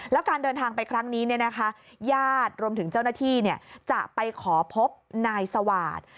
แล้วการเดินทางไปครั้งนี้ญาติรวมถึงเจ้าหน้าที่จะไปขอพบนายสวาสตร์